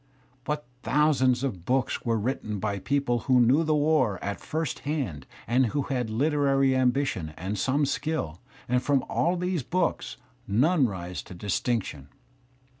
But thousands of books were written by people who knew the war at first hand and who had literary ambition and some skill, and from all these books none rises to distinction.